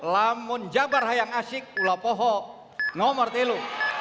lamun jabar hayang asik ulapohok nomor tilu